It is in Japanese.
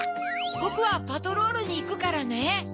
ぼくはパトロールにいくからね。